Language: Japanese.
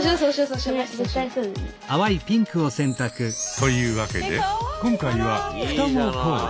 というわけで今回は双子コーデ！